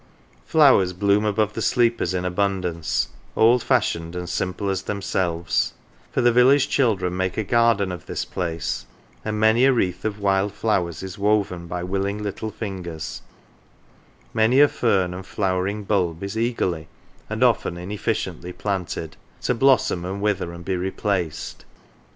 Flowers bloom above the sleepers in abundance, old fashioned and simple as themselves ; for the village children make a garden of this place, and many a wreath of wild flowers is woven by willing little fingers, many a fern and flowering bulb is eagerly, and often inefficiently, planted, 12 THORNLEIGH to blossom, and wither, and be replaced.